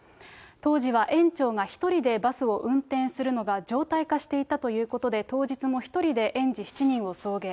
当時は園長が１人でバスを運転するのが常態化していたということで、当日も１人で園児７人を送迎。